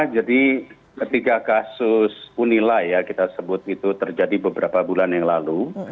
jadi ketika kasus unilai ya kita sebut itu terjadi beberapa bulan yang lalu